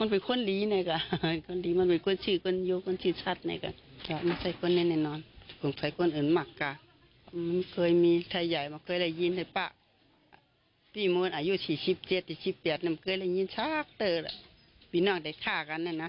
เป็นคนอื่นมากการ